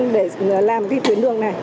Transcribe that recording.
để làm vi khuyến đường này